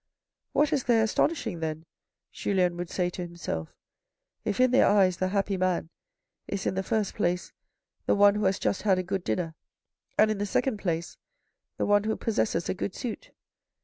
" What is there astonishing then ?" Julien would say to himself, " if in their eyes the happy man is in the first place the one who has just had a good dinner, and in the second place the one who possesses a good suit